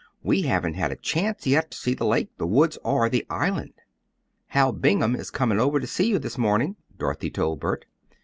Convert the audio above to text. "We haven't had a chance yet to see the lake, the woods, or the island." "Hal Bingham is coming over to see you this morning," Dorothy told Bert.